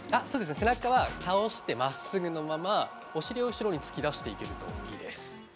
背中は倒してまっすぐのまま、お尻を後ろに突き出していけるといいです。